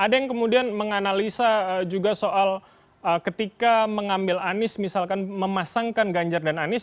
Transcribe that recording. jadi ada yang kemudian menganalisa juga soal ketika mengambil anies misalkan memasangkan ganjar dan anies